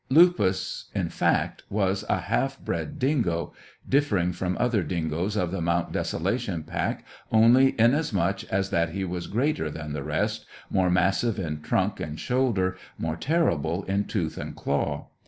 Lupus, in fact, was a half bred dingo, differing from other dingoes of the Mount Desolation pack only inasmuch as that he was greater than the rest, more massive in trunk and shoulder, more terrible in tooth and claw.